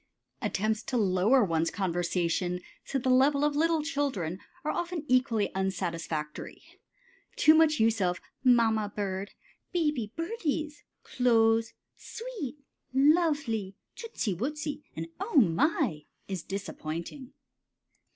Attempts to lower one's conversation to the level of little children are often equally unsatisfactory. Too much use of "Mamma bird," "baby birdies," "clothes," "sweet," "lovely," "tootsy wootsy," and "Oh, my!" is disappointing.